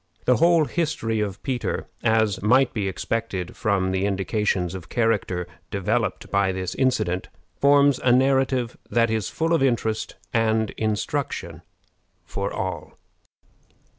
The whole history of Peter, as might be expected from the indications of character developed by this incident, forms a narrative that is full of interest and instruction for all.